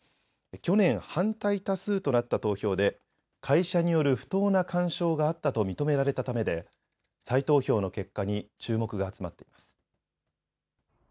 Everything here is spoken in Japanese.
去年、反対多数となった投票で、会社による不当な干渉があったと認められたためで、再投票の結果に注目が集まっています。